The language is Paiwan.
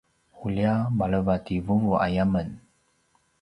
ulja maleva ti vuvu aya men